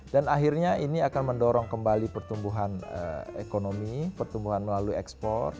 dan akhirnya ini akan mendorong kembali pertumbuhan ekonomi pertumbuhan melalui ekspor